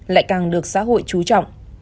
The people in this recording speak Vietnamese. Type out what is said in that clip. lại càng được xã hội trú trọng